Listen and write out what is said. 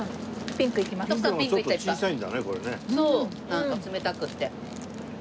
なんか冷たくって。